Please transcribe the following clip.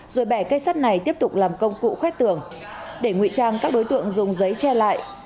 rồi bẻ cây sắt này tiếp tục làm công cụ khoét tường để ngụy trang các đối tượng dùng giấy che lại